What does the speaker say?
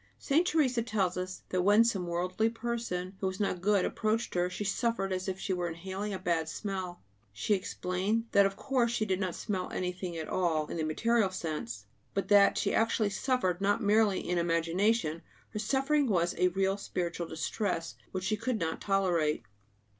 Saint Teresa tells us that when some worldly person who was not good approached her, she suffered as if she were inhaling a bad smell. She explained that of course she did not smell anything at all, in the material sense; but that she actually suffered, not merely in imagination; her suffering was a real spiritual distress which she could not tolerate.